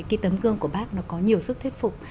cái tấm gương của bác nó có nhiều sức thuyết phục